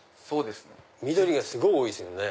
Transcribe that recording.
緑がすごい多いですよね。